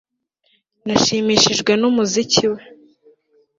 Nashimishijwe numuziki we